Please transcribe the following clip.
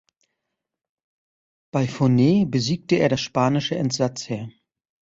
Bei Furnes besiegte er das spanische Entsatzheer.